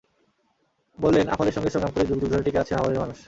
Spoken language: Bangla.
বললেন, আফালের সঙ্গে সংগ্রাম করে যুগ যুগ ধরে টিকে আছে হাওরের মানুষ।